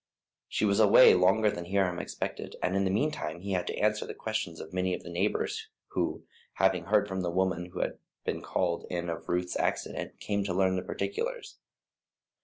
She was away longer than Hiram expected, and in the meantime he had to answer the questions of many of the neighbours, who, having heard from the woman who had been called in of Ruth's accident, came to learn the particulars.